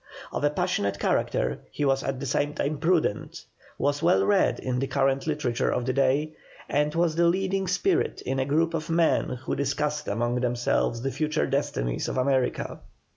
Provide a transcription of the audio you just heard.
Of a passionate character, he was at the same time prudent, was well read in the current literature of the day, and was the leading spirit in a group of men who discussed among themselves the future destinies of America.